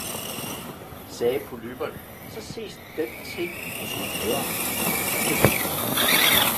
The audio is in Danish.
sagde polypperne, så ses den ting måske bedre, om så behøves.